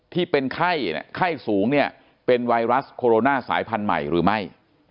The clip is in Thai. ที่เป็นไข้สูงเนี่ยเป็นไวรัสโคโรนาสายพันธุ์ใหม่หรือไม่